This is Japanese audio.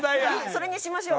それにしましょう。